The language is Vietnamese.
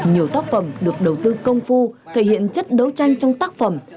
nhiều tác phẩm được đầu tư công phu thể hiện chất đấu tranh trong tác phẩm